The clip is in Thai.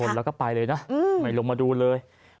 แล้วก็ไปเลยนะไม่ลงมาดูเลย